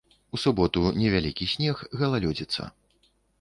У суботу невялікі снег, галалёдзіца.